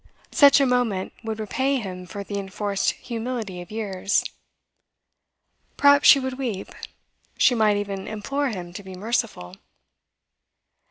Such a moment would repay him for the enforced humility of years. Perhaps she would weep; she might even implore him to be merciful.